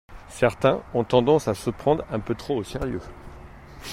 Certains ont tendance à se prendre un peu trop au sérieux.